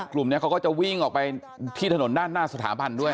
กลุ่มนี้เขาก็จะวิ่งออกไปที่ถนนด้านหน้าสถาบันด้วย